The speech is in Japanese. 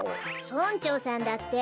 村長さんだって。